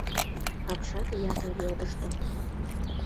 Апшат ятыр йодышто.